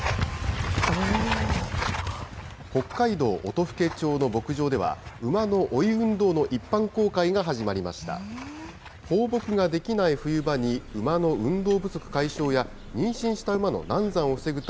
北海道音更町の牧場では、馬の追い運動の一般公開が始まりました。